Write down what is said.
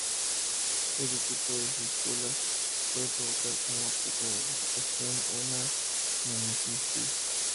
Este tipo de fístulas puede provocar como complicación una meningitis.